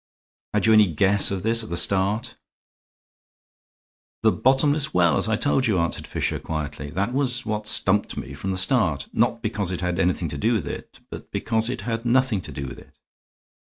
Had you any guess of this at the start?" "The bottomless well, as I told you," answered Fisher, quietly; "that was what stumped me from the start. Not because it had anything to do with it, because it had nothing to do with it."